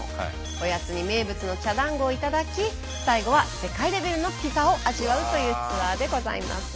おやつに名物の茶だんごを頂き最後は世界レベルのピザを味わうというツアーでございます。